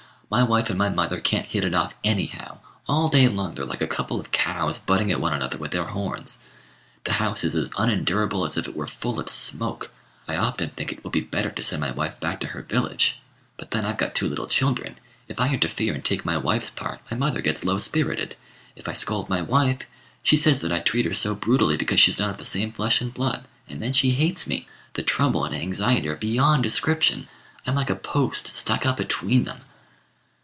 My wife and my mother can't hit it off anyhow. All day long they're like a couple of cows butting at one another with their horns. The house is as unendurable as if it were full of smoke. I often think it would be better to send my wife back to her village; but then I've got two little children. If I interfere and take my wife's part, my mother gets low spirited. If I scold my wife, she says that I treat her so brutally because she's not of the same flesh and blood; and then she hates me. The trouble and anxiety are beyond description: I'm like a post stuck up between them."